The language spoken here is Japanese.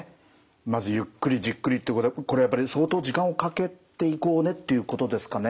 まず「ゆっくりじっくり」ってことはこれはやっぱり相当時間をかけていこうねっていうことですかね。